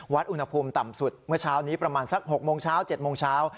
อุณหภูมิต่ำสุดเมื่อเช้านี้ประมาณสัก๖โมงเช้า๗โมงเช้า